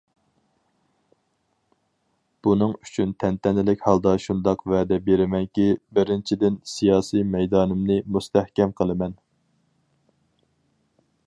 بۇنىڭ ئۈچۈن تەنتەنىلىك ھالدا شۇنداق ۋەدە بېرىمەنكى: بىرىنچىدىن، سىياسىي مەيدانىمنى مۇستەھكەم قىلىمەن.